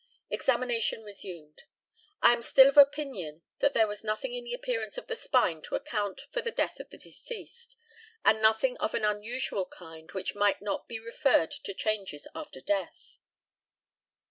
Examination resumed: I am still of opinion that there was nothing in the appearance of the spine to account for the death of the deceased, and nothing of an unusual kind which might not be referred to changes after death.